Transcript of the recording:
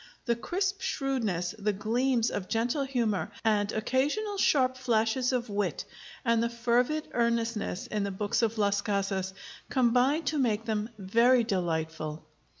The crisp shrewdness, the gleams of gentle humor and occasional sharp flashes of wit, and the fervid earnestness, in the books of Las Casas, combine to make them very delightful.